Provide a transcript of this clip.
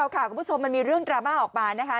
คุณผู้ชมมันมีเรื่องดราม่าออกมานะคะ